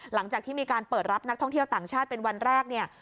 หลังจากที่มีการเปิดรับนักท่องเที่ยวต่างชาติเป็นวันแรกเนี่ย